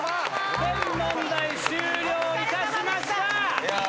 全問題終了いたしました。